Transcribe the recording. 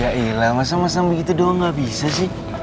yaelah masa masa begitu doang gak bisa sih